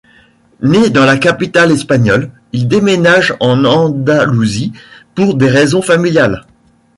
Né dans la capitale espagnole, il déménage en Andalousie pour des raisons familiales.